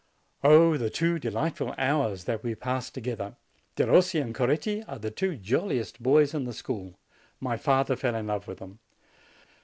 Oh, the two delightful hours that we passed to gether! Derossi and Coretti are the two j oiliest boys in the school ; my father fell in love with them.